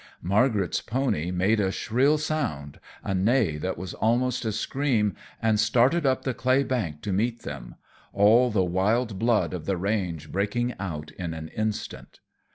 Margaret's pony made a shrill sound, a neigh that was almost a scream, and started up the clay bank to meet them, all the wild blood of the range breaking out in an instant.